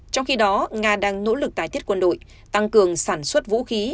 trong khi đó nga đang nỗ lực tái thiết quân đội tăng cường sản xuất vũ khí